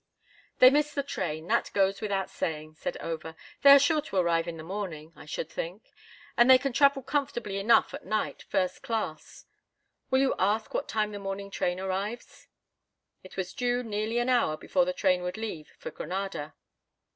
"They missed the train, that goes without saying," said Over. "They are sure to arrive in the morning, I should think, as they can travel comfortably enough at night first class. Will you ask what time the morning train arrives?" It was due nearly an hour before the train would leave for Granada.